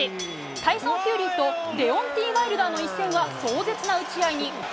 タイソン・フューリーとデオンテイ・ワイルダーの一戦は壮絶な打ち合いに。